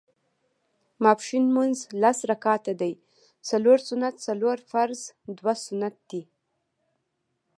ماسپښېن لمونځ لس رکعته دی څلور سنت څلور فرض دوه سنت دي